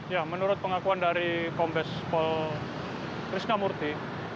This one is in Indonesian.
ya menurut pengakuan dari kompes pol krisna murthy